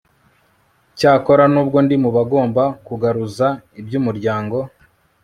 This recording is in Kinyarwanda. cyakora n'ubwo ndi mu bagomba kugaruza iby'umuryango